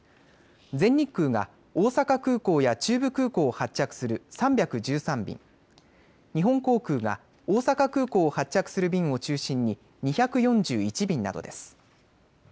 全日空が大阪空港や中部空港を発着する３１３便、日本航空が大阪空港を発着する便を中心に２４１便などです。